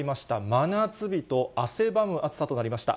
真夏日と汗ばむ暑さとなりました。